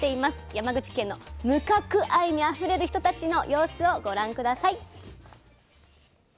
山口県の「無角愛」にあふれる人たちの様子をご覧下さい。